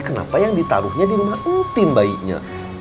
kenapa yang ditaruhnya di rumah entin bayinya